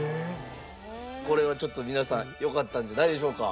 これはちょっと皆さんよかったんじゃないでしょうか？